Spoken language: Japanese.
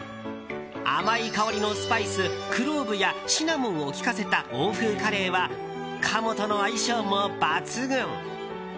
甘い香りのスパイス、クローブやシナモンを利かせた欧風カレーは鴨との相性も抜群。